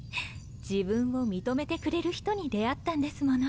自分を認めてくれる人に出会ったんですもの。